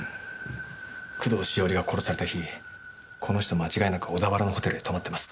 工藤しおりが殺された日この人間違いなく小田原のホテルに泊まってます。